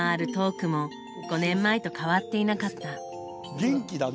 元気だな